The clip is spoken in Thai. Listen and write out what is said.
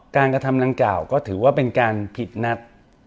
กระทำดังกล่าวก็ถือว่าเป็นการผิดนัด